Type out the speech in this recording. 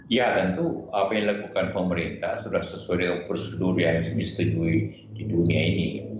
ya tentu apa yang dilakukan pemerintah sudah sesuai dengan prosedur yang disetujui di dunia ini